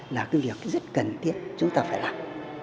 là việc rất cần thiết chúng ta phải làm